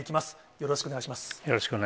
よろしくお願いします。